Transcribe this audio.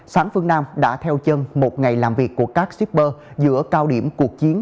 sáng phương nam đã theo chân một ngày làm việc của các shipper giữa cao điểm cuộc chiến